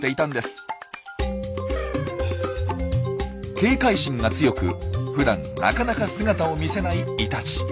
警戒心が強くふだんなかなか姿を見せないイタチ。